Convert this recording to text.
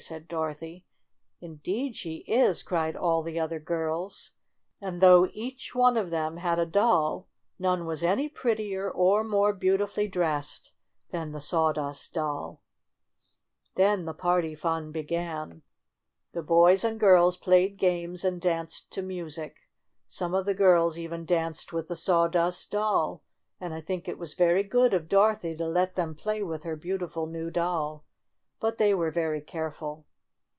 said Dorothy. "Indeed she is!" cried all the other girls. And though each one of them had a doll, none was any prettier or more beau tifully dressed than the Sawdust Doll. Then the party fun began. The boys Carlo Runs Away With the Sawdust Doll Page 63 THE BIRTHDAY PARTY 59 and girls played games and danced to mu sic. Some of the girls even danced with the Sawdust Doll, and I think it was very good of Dorothy to let them play with her beautiful new doll. But they were very careful.